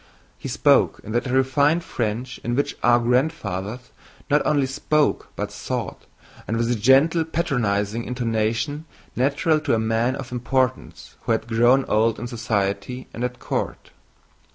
He spoke in that refined French in which our grandfathers not only spoke but thought, and with the gentle, patronizing intonation natural to a man of importance who had grown old in society and at court.